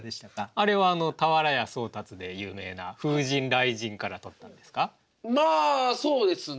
あれは俵屋宗達で有名な「風神雷神」からとったんですか？